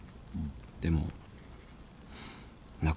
でも「泣くな。